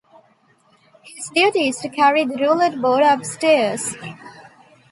His duty is to carry the roulette board upstairs.